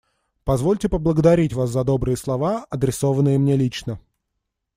Позвольте поблагодарить вас за добрые слова, адресованные мне лично.